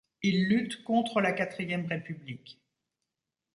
Il lutte contre la Quatrième République.